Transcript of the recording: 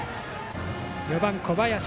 ４番、小林。